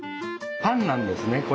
パンなんですね。